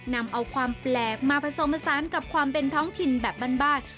นำเอาความแปลกมาผสมผสานกับความเป็นท้องถิ่นแบบบ้าน